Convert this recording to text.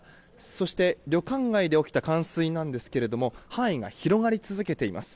そして、旅館街で起きた冠水なんですが範囲が広がり続けています。